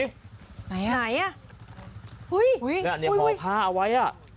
แบบนี้แล้วเพราะผ้าเอาไว้